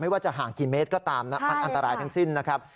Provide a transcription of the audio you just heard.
ว่าจะห่างกี่เมตรก็ตามนะมันอันตรายทั้งสิ้นนะครับ